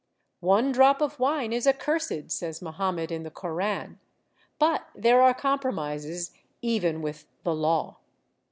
" One drop of wine is ac cursed,'' says Mohammed in the Koran, but there are compromises even with the Law.